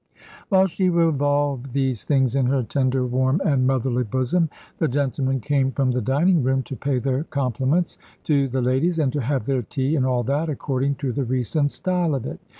While she revolved these things in her tender, warm, and motherly bosom, the gentlemen came from the dining room, to pay their compliments to the ladies, and to have their tea and all that, according to the recent style of it.